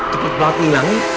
cepet banget ini yang